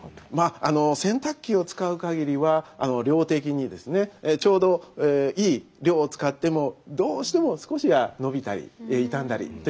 洗濯機を使うかぎりは量的にですねちょうどいい量を使ってもどうしても少しは伸びたり傷んだりということがありますので